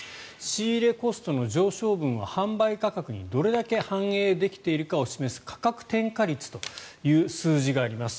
仕入れコストの上昇分を販売価格にどれだけ反映できているかを示す価格転嫁率という数字があります。